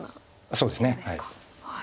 そうですね。